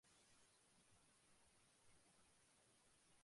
এর আগে তিনি "শুনতে কি পাও!"